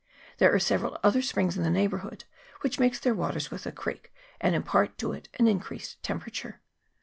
There are several other springs in the neighbourhood, which mix their waters with the creek, and impart to it an in creased temperature.